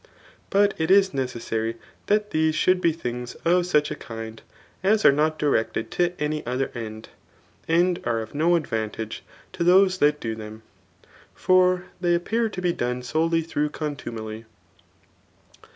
But it is necessary that these should be things of such a kind, as are not directed to any other end, and are of no advantage to those that do them ; for they appear to be done solely through contumely.